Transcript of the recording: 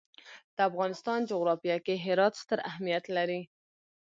د افغانستان جغرافیه کې هرات ستر اهمیت لري.